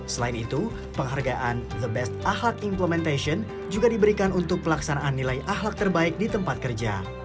selain itu penghargaan the best ahald implementation juga diberikan untuk pelaksanaan nilai ahlak terbaik di tempat kerja